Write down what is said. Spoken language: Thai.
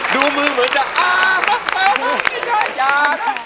ดูมือเหมือนจะอ่ามากอย่านะ